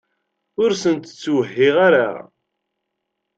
Ur sent-ttwehhiɣ ara.